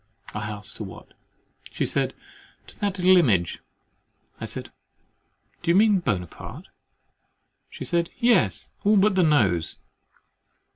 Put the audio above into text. I asked, to what? She said "to that little image!" I said, "Do you mean Buonaparte?"—She said "Yes, all but the nose."